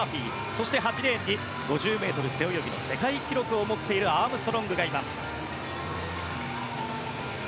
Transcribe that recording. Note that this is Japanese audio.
そして８レーンに５０ｍ背泳ぎの世界記録を持っているアームストロングがいます。